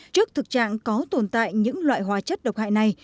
trước thực trạng có tồn tại những loại hóa chất độc hại này